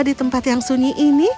di tempat yang sunyi ini